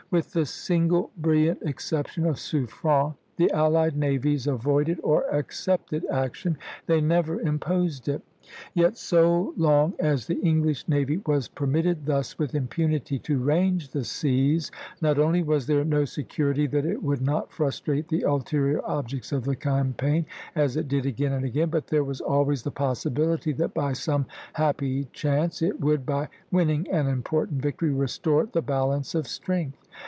With the single brilliant exception of Suffren, the allied navies avoided or accepted action; they never imposed it. Yet so long as the English navy was permitted thus with impunity to range the seas, not only was there no security that it would not frustrate the ulterior objects of the campaign, as it did again and again, but there was always the possibility that by some happy chance it would, by winning an important victory, restore the balance of strength.